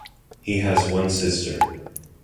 He has one sister.